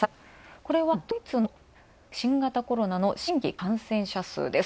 これはドイツの新型コロナの新規感染者数です。